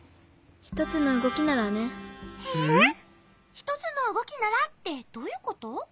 「ひとつのうごきなら」ってどういうこと？